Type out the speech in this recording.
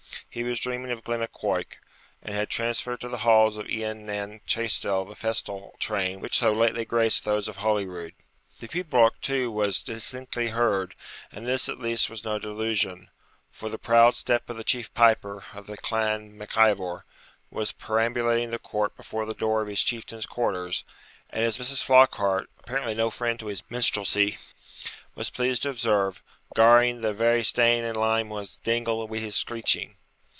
He was dreaming of Glennaquoich, and had transferred to the halls of lan nan Chaistel the festal train which so lately graced those of Holyrood. The pibroch too was distinctly heard; and this at least was no delusion, for the 'proud step of the chief piper' of the 'chlain MacIvor' was perambulating the court before the door of his Chieftain's quarters, and as Mrs. Flockhart, apparently no friend to his minstrelsy, was pleased to observe, 'garring the very stane and lime wa's dingle wi' his screeching.'